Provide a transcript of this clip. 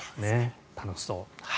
楽しそう。